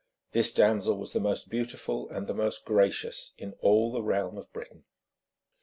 This damsel was the most beautiful and the most gracious in all the realm of Britain.